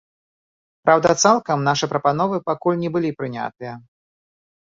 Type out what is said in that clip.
Праўда, цалкам нашы прапановы пакуль не былі прынятыя.